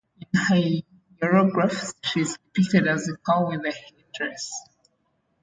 In hieroglyphs, she is depicted as a cow with a headdress.